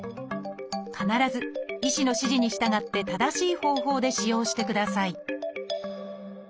必ず医師の指示に従って正しい方法で使用してください